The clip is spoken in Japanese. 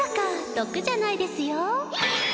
毒じゃないですよ